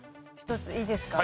１ついいですか？